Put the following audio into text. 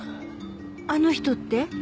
あの人って？